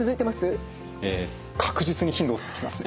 え確実に頻度落ちてきますね。